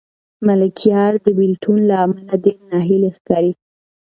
ملکیار د بېلتون له امله ډېر ناهیلی ښکاري.